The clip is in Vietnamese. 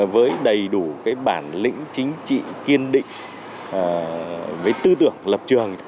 với đầy đủ bản lĩnh chính trị kiên định với tư tưởng lập trường